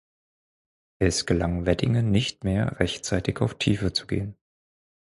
Es gelang Weddigen nicht mehr, rechtzeitig auf Tiefe zu gehen.